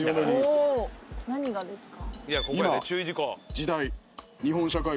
おお何がですか？